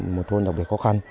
một thôn đặc biệt khó khăn